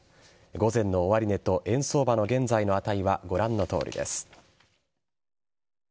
午前の終値と円相場の現在の値はご覧のとおりです。